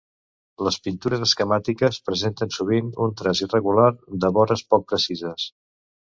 Les pintures esquemàtiques presenten sovint un traç irregular de vores poc precises.